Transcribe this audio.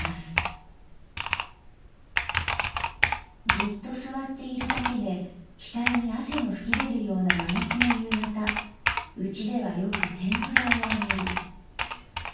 「じっと坐っているだけで額に汗の吹きでるような真夏の夕方うちではよく天ぷらを揚げる。